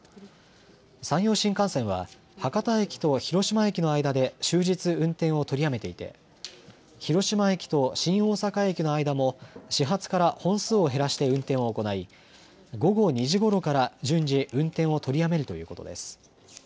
山陽新幹線は博多駅と広島駅の間で終日、運転を取りやめていて広島駅と新大阪駅の間も始発から本数を減らして運転を行い午後２時ごろから順次、運転を取りやめるということです。